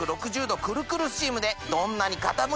くるくるスチームで。